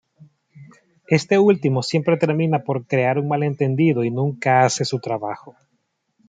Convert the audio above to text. Este último siempre termina por crear un malentendido y nunca hace su trabajo.